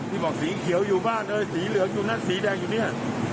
บอกสีเขียวอยู่บ้านเลยสีเหลืองอยู่นั่นสีแดงอยู่เนี่ย